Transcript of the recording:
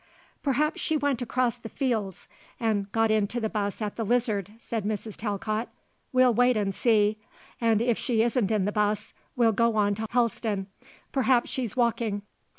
"Perhaps she went across the fields and got into the bus at the Lizard," said Mrs. Talcott. "We'll wait and see, and if she isn't in the bus we'll go on to Helston. Perhaps she's walking."